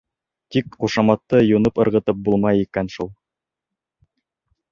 Тик ҡушаматты юнып ырғытып булмай икән шул.